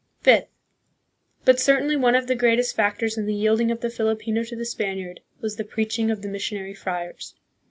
Fifth. But certainly one of the greatest factors in the yielding of the Filipino to the Spaniard was the preaching xof the missionary friars.